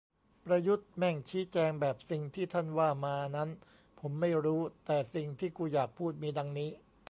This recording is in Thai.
"ประยุทธ์แม่งชี้แจงแบบ สิ่งที่ท่านว่ามานั้นผมไม่รู้ แต่สิ่งที่กูอยากพูดมีดังนี้"